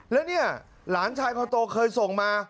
แล้วเนี่ยหลานชายคนโตเคยส่งมา